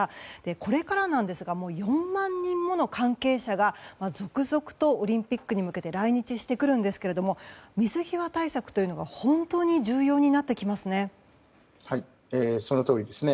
これからなんですが４万人もの関係者が続々とオリンピックに向けて来日してくるんですけども水際対策が本当に重要になってきますね。